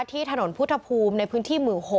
ที่ถนนพุทธภูมิในพื้นที่หมู่๖